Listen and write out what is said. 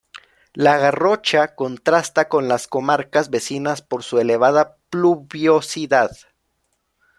La Garrocha contrasta con las comarcas vecinas por su elevada pluviosidad.